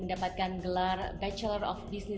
ya saya pikir ini adalah rumah yang sangat baik